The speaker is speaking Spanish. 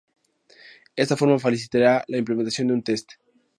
Esta forma facilitaría la implementación de un test.